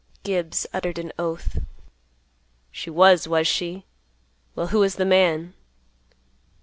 Gibbs uttered an oath, "She was, was she? Well, who was th' man?"